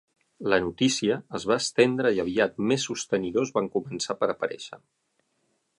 La notícia es va estendre, i aviat més sostenidors van començar per aparèixer.